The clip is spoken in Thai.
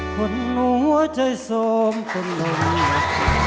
ควรรู้หัวใจโทรมกำลังหลบติดต่อ